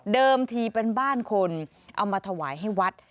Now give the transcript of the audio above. ทีเป็นบ้านคนเอามาถวายให้วัด